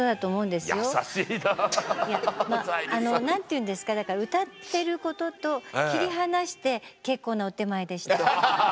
何ていうんですかだから歌ってることと切り離して結構なお点前でした。